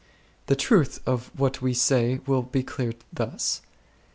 The truth of what we say will be clear thus.